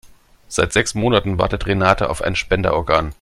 Seit sechs Monaten wartet Renate auf ein Spenderorgan.